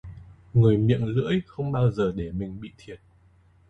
Người miệng lưỡi không bao giờ để mình bị thiệt